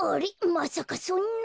まさかそんな。